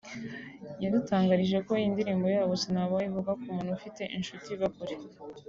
yadutangarije ko iyi ndirimbo yabo 'Sinabaho' ivuga ku muntu ufite inshuti iba kure